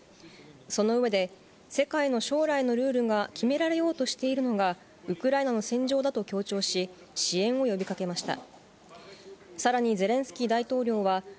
その上で、世界の将来のルールが決められようとしているのがウクライナの戦場だと強調し、支援を呼びかけました。